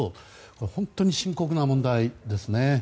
本当に深刻な問題ですね。